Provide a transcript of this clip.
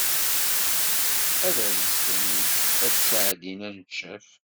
Ad alsen ad d-sɛeddin aneccaf.